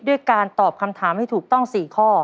ด้วยการตอบคำถามให้ถูกต้อง๔ข้อ